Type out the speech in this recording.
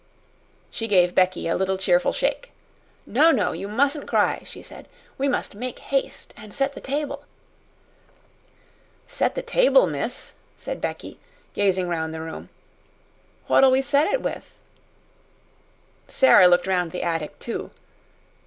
She gave Becky a little cheerful shake. "No, no! You mustn't cry!" she said. "We must make haste and set the table." "Set the table, miss?" said Becky, gazing round the room. "What'll we set it with?" Sara looked round the attic, too.